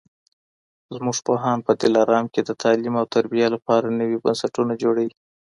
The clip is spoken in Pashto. زموږ پوهان په دلارام کي د تعلیم او تربیې لپاره نوي بنسټونه جوړوي.